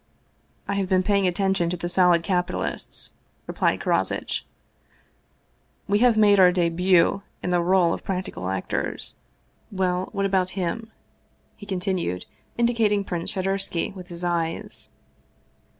" I have been paying attention to the solid capitalists," replied Karozitch ;" we have made our debut in the role of practical actors. Well, what about him ?" he continued, indicating Prince Shadursky with his eyes.